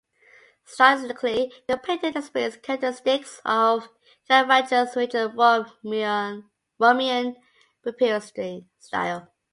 Stylistically, the painting displays characteristics of Caravaggio's mature Roman-period style.